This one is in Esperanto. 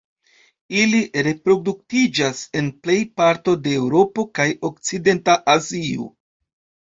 Ili reproduktiĝas en plej parto de Eŭropo kaj okcidenta Azio.